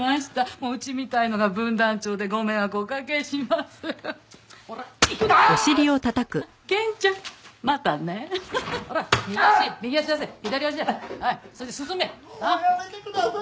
もうやめてください！